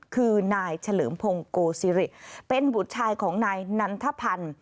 คือนายเฉลิมพงศ์โกซิริเป็นบุตรชายของนายนันทพันธ์